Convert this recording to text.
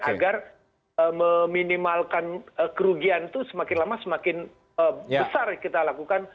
agar meminimalkan kerugian itu semakin lama semakin besar kita lakukan